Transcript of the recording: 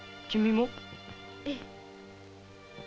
ええ。